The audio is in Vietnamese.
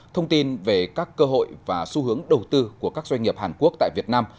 thông tin về các cơ hội và xu hướng đầu tư của các doanh nghiệp hàn quốc tại việt nam